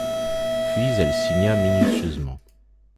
Puis elle signa minutieusement.